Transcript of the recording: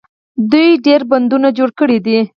دوی ډیر بندونه جوړ کړي دي.